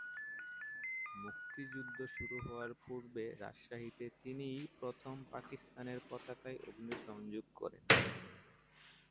মুক্তিযুদ্ধ শুরু হওয়ার পূর্বে রাজশাহীতে তিনিই প্রথম পাকিস্তানের পতাকায় অগ্নিসংযোগ করেন।